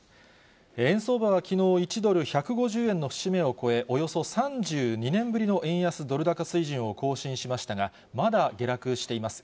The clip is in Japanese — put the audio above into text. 円相場はきのう、１ドル１５０の節目を超え、およそ３２年ぶりの円安ドル高水準を更新しましたが、まだ下落しています。